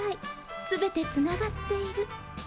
全てつながっている。